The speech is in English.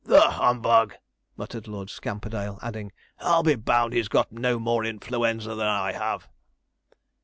'The humbug!' muttered Lord Scamperdale, adding, 'I'll be bound he's got no more influenza than I have.'